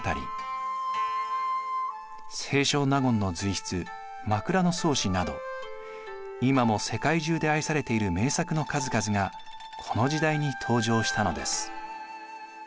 清少納言の随筆「枕草子」など今も世界中で愛されている名作の数々がこの時代に登場したのです。